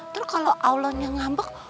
terus kalau allahnya ngambek